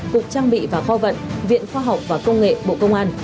cục trang bị và kho vận viện khoa học và công nghệ bộ công an